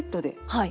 はい。